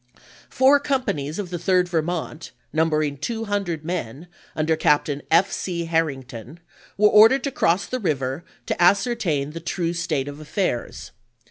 Four companies of the Third Vermont, numbering two hundred men, under Cap tain F. C. Harrington, were ordered to cross the river to ascertain " the true state of affairs."